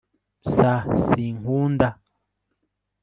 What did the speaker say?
s sinkunda